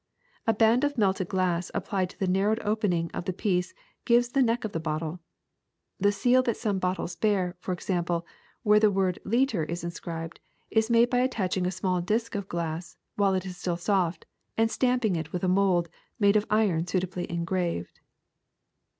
A band of melted glass applied to the narrowed opening of the piece gives the neck of the bottle. The seal that some bottles bear, for example where the word liter is in scribed, is made by attaching a small disk of glass while it is still soft, and stamping it with a mold made of iron suitably engraved.''